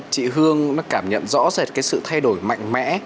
chị hương nó cảm nhận rõ rệt cái sự thay đổi mạnh mẽ